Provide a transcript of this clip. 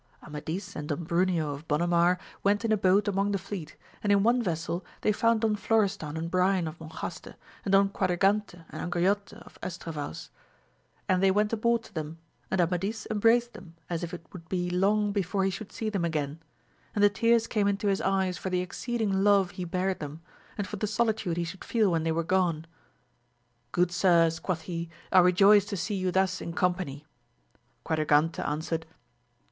Amadis and Don Bruneo of Bonamar went in a boat among the fleet, and in one vessel they found Don Florestan and Brian of Monjaste, and Don Quadragante and Angriote of Estravaus, and they went aboard to them, and Amadis embraced them, as if it would be long before he should see them again, and the tears came into his eyes for the exceeding love he bare them, and for the solitude he should feel when they were gone. Good sirs, quoth he, I rejoice to see you thus in company. Quadra gante answered.